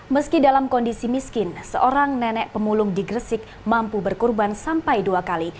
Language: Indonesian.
meski dalam kondisi miskin seorang nenek pemulung di gresik mampu berkurban sampai dua kali